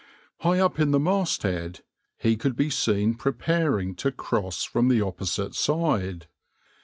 \par High up at the masthead he could be seen preparing to cross from the opposite side.